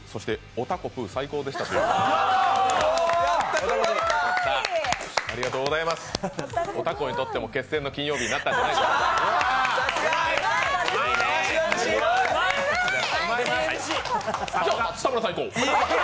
おたこにとっても決戦の金曜日になったんじゃないでしょうか。